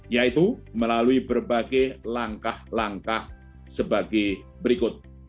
yaitu melalui berbagai langkah langkah sebagai berikut